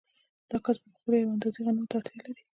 دا کس په خپله یوې اندازې غنمو ته اړتیا لري